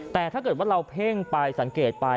แต่ถ้าเกิดว่าเราเพ่งไปสังเกตไป